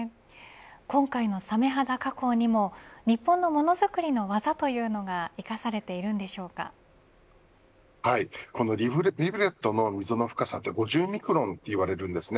今回のサメ肌加工にも日本のものづくりの技というのがこのリブレットの溝の深さというのは５０ミクロンと言われるんですね。